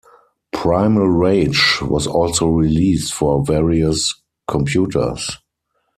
"Primal Rage" was also released for various computers.